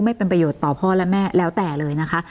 ไม่เป็นประโยชน์ต่อพ่อและแม่แล้วแต่เลยนะคะ